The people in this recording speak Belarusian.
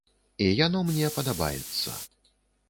І яно мне падабаецца.